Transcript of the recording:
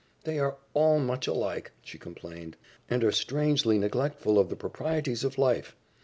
"They are all much alike," she complained, "and are strangely neglectful of the proprieties of life.